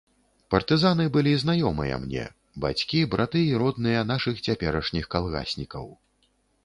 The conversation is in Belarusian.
Партызаны былі знаёмыя мне, бацькі, браты і родныя нашых цяперашніх калгаснікаў.